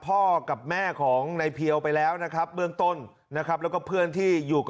ผมก็เอารถไปคืนเขาแล้ว